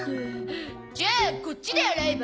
じゃあこっちで洗えば？